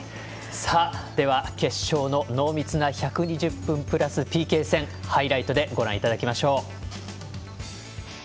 では決勝の濃密な１２０分プラスＰＫ戦ハイライトでご覧いただきましょう。